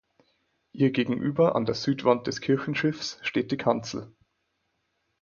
Ihr gegenüber an der Südwand des Kirchenschiffs steht die Kanzel.